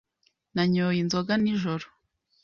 Nanyoye inzoga nijoro.